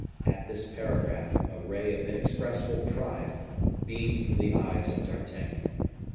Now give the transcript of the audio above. At this paragraph, a ray of inexpressible pride beamed from the eyes of D'Artagnan.